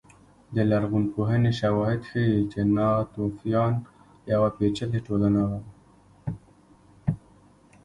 د لرغونپوهنې شواهد ښيي چې ناتوفیان یوه پېچلې ټولنه وه